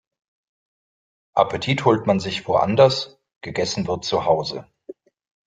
Appetit holt man sich woanders, gegessen wird zuhause.